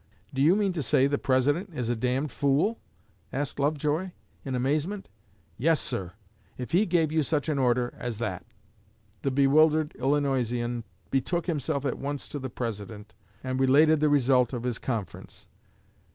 'Do you mean to say the President is a d d fool?' asked Lovejoy, in amazement. 'Yes, sir, if he gave you such an order as that.' The bewildered Illinoisan betook himself at once to the President, and related the result of his conference.